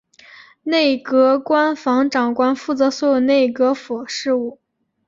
内阁官房长官负责所有内阁府事务。